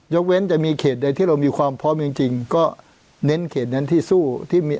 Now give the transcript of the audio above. เว้นจะมีเขตใดที่เรามีความพร้อมจริงก็เน้นเขตนั้นที่สู้ที่มี